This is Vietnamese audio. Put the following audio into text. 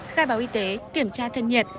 khai báo y tế kiểm tra thân nhiệt